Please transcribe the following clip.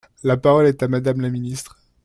La parole est à Madame la ministre.